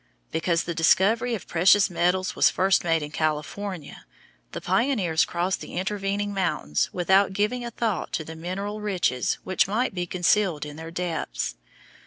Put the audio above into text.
Because the discovery of precious metals was first made in California, the pioneers crossed the intervening mountains without giving a thought to the mineral riches which might be concealed in their depths.